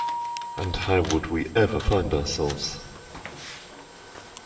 And how would we ever find ourselves.